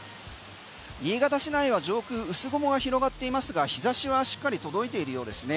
新潟市内は上空、薄雲が広がっていますが、日差しはしっかり届いているようですね。